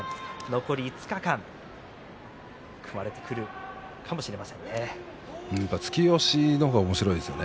残り５日間の朝乃山組まれてくるかもしれませんね。